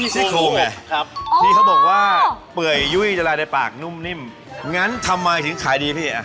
ซี่โครงไงที่เขาบอกว่าเปื่อยยุ่ยละลายในปากนุ่มนิ่มงั้นทำไมถึงขายดีพี่อ่ะ